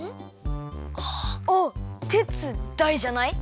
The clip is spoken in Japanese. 「お」「てつ」「だい」じゃない？